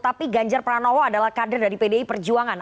tapi ganjar pranowo adalah kader dari pdi perjuangan